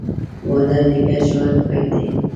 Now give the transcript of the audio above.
• واده د ګډ ژوند پیل دی.